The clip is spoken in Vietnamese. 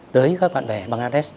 tới các bạn bè bangladesh